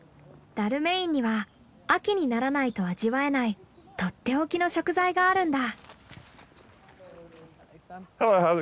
ダルメインには秋にならないと味わえないとっておきの食材があるんだ。